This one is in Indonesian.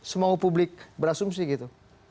semua publik berasumsi gitu